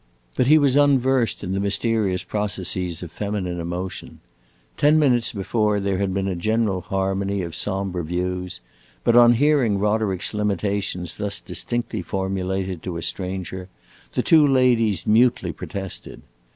But he was unversed in the mysterious processes of feminine emotion. Ten minutes before, there had been a general harmony of sombre views; but on hearing Roderick's limitations thus distinctly formulated to a stranger, the two ladies mutely protested.